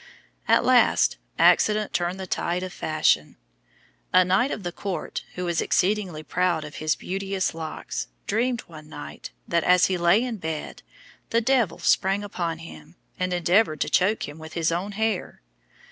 At last accident turned the tide of fashion. A knight of the court, who was exceedingly proud of his beauteous locks, dreamed one night that, as he lay in bed, the devil sprang upon him, and endeavoured to choke him with his own hair.